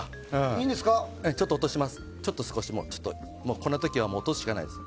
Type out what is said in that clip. こんな時は落とすしかないです。